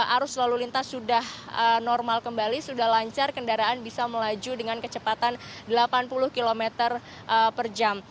arus lalu lintas sudah normal kembali sudah lancar kendaraan bisa melaju dengan kecepatan delapan puluh km per jam